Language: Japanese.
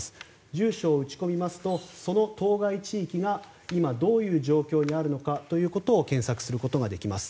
住所を打ち込みますとその当該地域が今、どういう状況にあるのかということを検索することができます。